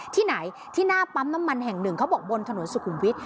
ที่ไหนที่หน้าปั๊มน้ำมันแห่งหนึ่งเขาบอกบนถนนสุขุมวิทย